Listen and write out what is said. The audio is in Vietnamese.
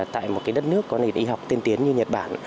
tại một đất nước có nền y học tiên tiến như nhật bản